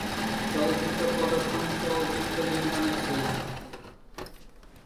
চলচ্চিত্র প্রদর্শন চলচ্চিত্র নির্মাণের শেষ ধাপ।